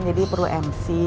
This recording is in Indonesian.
jadi perlu mc